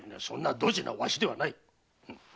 そんなドジなわしではない。